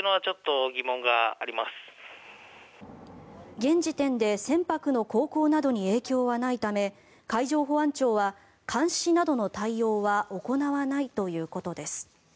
現時点で船舶の航行などに影響はないため海上保安庁は監視などの対応は行わないということです。